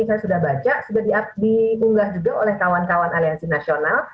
saya sudah baca sudah diunggah juga oleh kawan kawan aliansi nasional